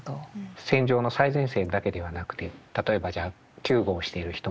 戦場の最前線だけではなくて例えばじゃあ救護をしている人もですね